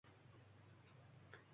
Otni esa onasi etaklab bormoqda